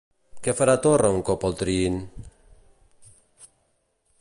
Què farà Torra un cop el triïn?